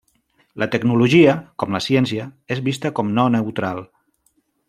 La tecnologia, com la ciència, és vista com no neutral.